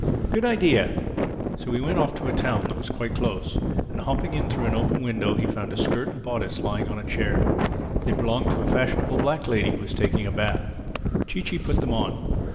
Good idea!" So he went off to a town that was quite close, and hopping in through an open window he found a skirt and bodice lying on a chair. They belonged to a fashionable black lady who was taking a bath. Chee Chee put them on.